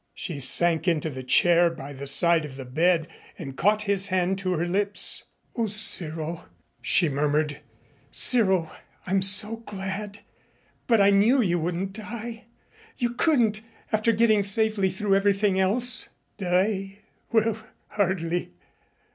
She sank into the chair by the side of the bed and caught his hand to her lips. "O Cyril," she murmured. "Cyril, I'm so glad. But I knew you wouldn't die you couldn't after getting safely through everything else." "Die! Well, hardly.